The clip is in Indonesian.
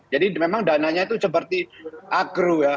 jadi memang dananya itu seperti agro ya